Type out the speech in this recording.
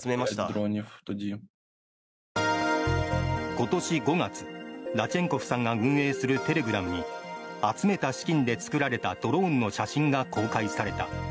今年５月、ラチェンコフさんが運営するテレグラムに集めた資金で作られたドローンの写真が公開された。